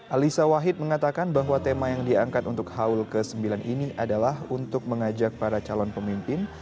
alisa wahid mengatakan bahwa tema yang diangkat untuk haul ke sembilan ini adalah untuk mengajak para calon pemimpin